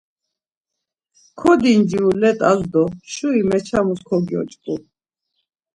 Kodinciru let̆as do şuri meçamas kogyoç̌ǩu.